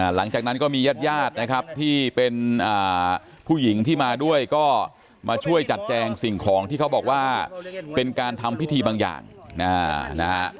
หลังจากนั้นก็มีญาติญาตินะครับที่เป็นผู้หญิงที่มาด้วยก็มาช่วยจัดแจงสิ่งของที่เขาบอกว่าเป็นการทำพิธีบางอย่างนะฮะ